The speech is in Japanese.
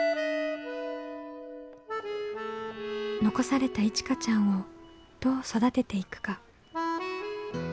残されたいちかちゃんをどう育てていくか。